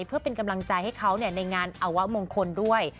เพื่อเป็นกำลังใจให้เขาในงานอวะมงคลด้วย